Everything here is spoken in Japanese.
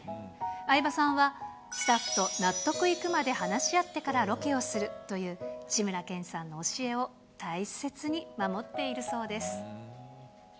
相葉さんは、スタッフと納得いくまで話し合ってからロケをするという、志村けんさんの教えを大切に守っているそうです。